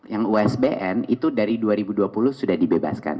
yang usbn itu dari dua ribu dua puluh sudah dibebaskan